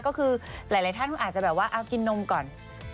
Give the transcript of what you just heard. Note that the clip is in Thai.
ก็คือหลายท่านอาจจะแบบว่าเอากินนมก่อน